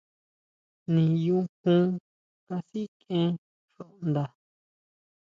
Niʼyu jon kasikʼien xuʼnda.